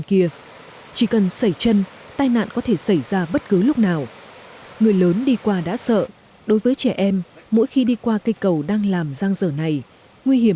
khi đi một mình thì quả là khó khăn và gian nàn